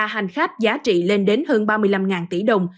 hành khách giá trị lên đến hơn ba mươi năm tỷ đồng